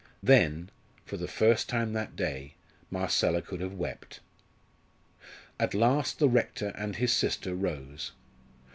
Then, for the first time that day, Marcella could have wept. At last the rector and his sister rose.